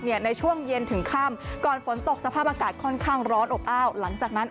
ในช่วงเย็นถึงค่ำก่อนฝนตกสภาพอากาศค่อนข้างร้อนอบอ้าวหลังจากนั้น